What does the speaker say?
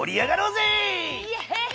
イエーイ！